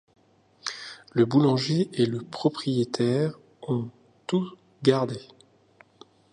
Le boulanger et le propriétaire ont tout gardé !